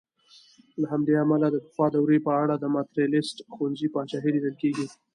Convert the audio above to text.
له همدې امله د پخوا دورې په اړه د ماتریالیسټ ښوونځي پاچاهي لیدل کېږي.